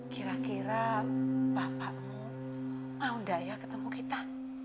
kira kira bapakmu mau nggak ya ketemu kita